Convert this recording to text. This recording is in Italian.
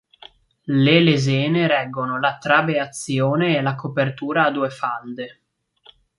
Le lesene reggono la trabeazione e la copertura a due falde.